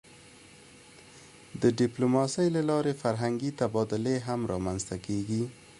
د ډیپلوماسی له لارې فرهنګي تبادلې هم رامنځته کېږي.